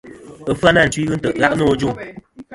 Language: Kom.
Ɨfyanatwi ghɨ ntè' gha' nô ajuŋ.